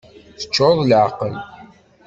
Teččur d leεqel!